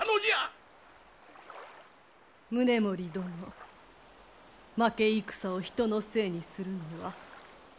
宗盛殿負け戦を人のせいにするのはおやめなさい。